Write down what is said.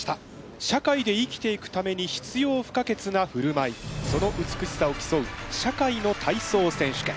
社会で生きていくために必要不可欠なふるまいその美しさを競う社会の体操選手権。